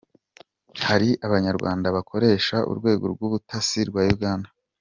Hari abanyarwanda bakoresha Urwego rw’Ubutasi rwa Uganda